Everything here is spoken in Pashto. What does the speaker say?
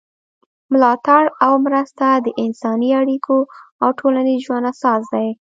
ملاتړ او مرسته د انساني اړیکو او ټولنیز ژوند اساس دی.